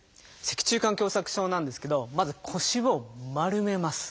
脊柱管狭窄症なんですけどまず腰を丸めます。